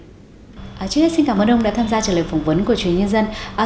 trước hết xin cảm ơn ông đã tham gia trả lời phỏng vấn của truyền hình nhân dân